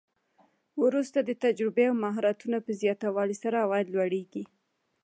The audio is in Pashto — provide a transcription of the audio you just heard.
وروسته د تجربو او مهارتونو په زیاتوالي سره عواید لوړیږي